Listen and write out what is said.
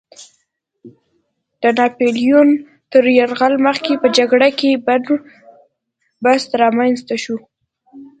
د ناپیلیون تر یرغل مخکې په جګړه کې بن بست رامنځته شو.